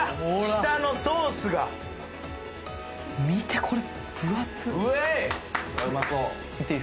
下のソースが見てこれうえい！